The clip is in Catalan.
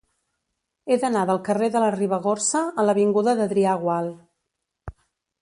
He d'anar del carrer de la Ribagorça a l'avinguda d'Adrià Gual.